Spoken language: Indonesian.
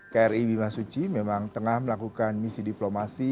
kri bimasuci memang tengah melakukan misi diplomasi